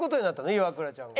イワクラちゃんは。